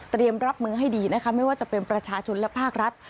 รับมือให้ดีนะคะไม่ว่าจะเป็นประชาชนและภาครัฐ